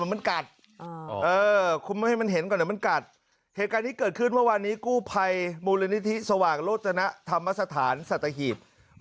มันกัดคุณไม่ให้มันเห็นก่อนเดี๋ยวมันกัดเหตุการณ์นี้เกิดขึ้นเมื่อวานนี้กู้ภัยมูลนิธิสว่างโรจนธรรมสถานสัตหีบ